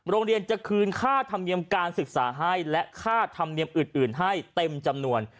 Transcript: โรงเรียนจะคืนค่าธรรมเนียมการศึกษาให้และค่าธรรมเนียมอื่นให้เต็มจำนวน